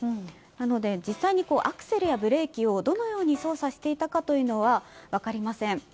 なので実際にアクセルやブレーキをどのように操作していたかというのは分かりません。